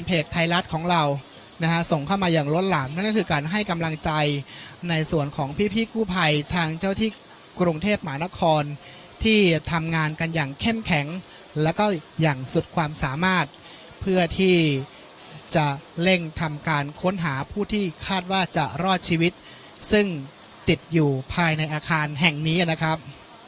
ฟังใจในส่วนของพี่พี่คู่ภัยทางเจ้าที่กรงเทพหมานครที่ทำงานกันอย่างเข้มแข็งแล้วก็อย่างสุดความสามารถเพื่อที่จะเร่งทำการค้นหาผู้ที่คาดว่าจะรอดชีวิตซึ่งติดอยู่ภายในอาคารแห่งนี้นะครับ